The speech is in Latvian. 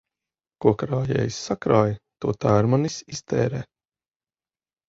Ko krājējs sakrāj, to tērmanis iztērē.